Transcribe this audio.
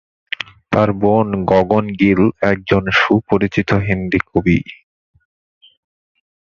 তার বোন গগন গিল একজন সুপরিচিত হিন্দী কবি।